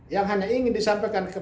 yang hanya ingin disampaikan